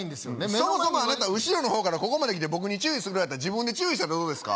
そもそもあなた後ろの方からここまで来て僕に注意するぐらいだったら自分で注意したらどうですか？